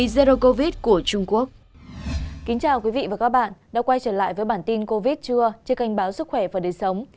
xin chào các bạn đã quay trở lại với bản tin covid chưa trên kênh báo sức khỏe và đời sống